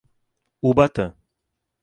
Ubatã